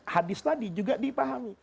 hadis tadi juga dipahami